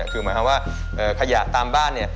คือหมายความว่าขยะตามบ้าน